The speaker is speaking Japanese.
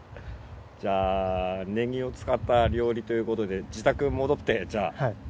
じゃあねぎを使った料理ということで自宅戻ってじゃあ。